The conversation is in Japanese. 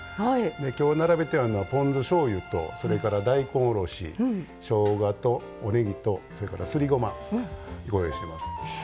今日並べてあるのはポン酢しょうゆと大根おろししょうがと、おねぎと、すりごまご用意しています。